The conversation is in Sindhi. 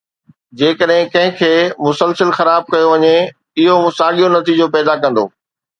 جيڪڏهن ڪنهن کي مسلسل خراب ڪيو وڃي، اهو ساڳيو نتيجو پيدا ڪندو